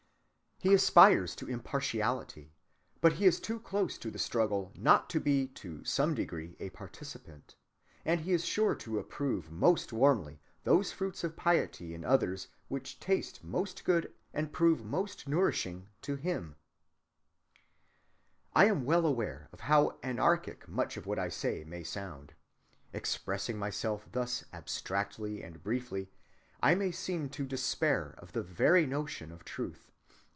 He aspires to impartiality; but he is too close to the struggle not to be to some degree a participant, and he is sure to approve most warmly those fruits of piety in others which taste most good and prove most nourishing to him. I am well aware of how anarchic much of what I say may sound. Expressing myself thus abstractly and briefly, I may seem to despair of the very notion of truth.